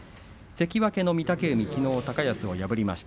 関脇の御嶽海きのうは高安を破りました。